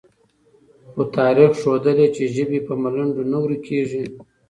خو تاریخ ښودلې، چې ژبې په ملنډو نه ورکېږي،